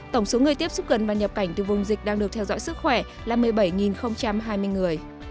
tổng số người tiếp xúc gần và nhập cảnh từ vùng dịch đang được theo dõi sức khỏe là một mươi bảy hai mươi người